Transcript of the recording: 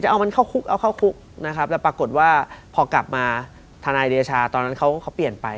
เอามันเข้าคุกเอาเข้าคุกนะครับแล้วปรากฏว่าพอกลับมาทนายเดชาตอนนั้นเขาเปลี่ยนไป